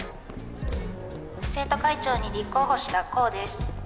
生徒会長に立候補したこうです。